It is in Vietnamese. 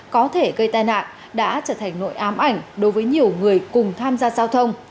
có thể gây tai nạn đã trở thành nội ám ảnh đối với nhiều người cùng tham gia giao thông